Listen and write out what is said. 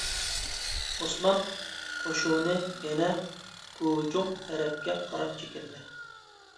ئوسمان قوشۇنى يەنە گۇچۇڭ تەرەپكە قاراپ چېكىندى.